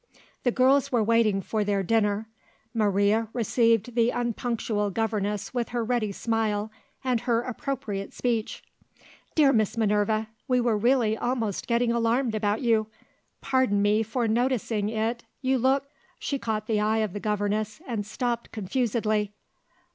The girls were waiting for their dinner. Maria received the unpunctual governess with her ready smile, and her appropriate speech. "Dear Miss Minerva, we were really almost getting alarmed about you. Pardon me for noticing it, you look " She caught the eye of the governess, and stopped confusedly.